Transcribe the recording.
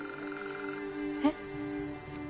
えっ。